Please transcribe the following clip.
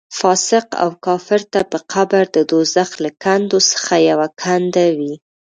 فاسق او کافر ته به قبر د دوزخ له کندو څخه یوه کنده وي.